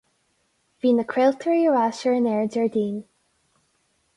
Bhí na craoltóirí ar ais ar an aer Déardaoin.